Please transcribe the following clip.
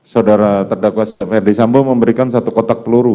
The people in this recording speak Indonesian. saudara terdakwa ferdis sambu memberikan satu kotak peluru